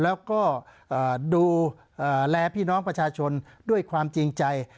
แล้วก็ดูแลพี่น้องประชาชนด้วยความจริงใจ